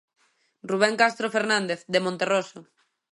Rubén Castro Fernández, de Monterroso.